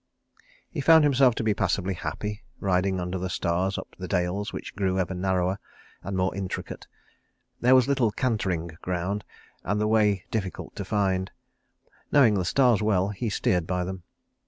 He found himself to be passably happy, riding under the stars up the dales which grew ever narrower, and more intricate. There was little cantering ground, and the way difficult to find. Knowing the stars well, he steered by them.